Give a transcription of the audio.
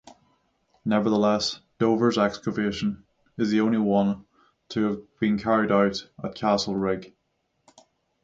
Nevertheless, Dover's excavation is the only one to have been carried out at Castlerigg.